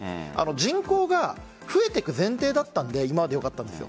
人口が増えていく前提だったので今までよかったんです。